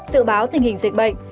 dự báo tình hình dịch bệnh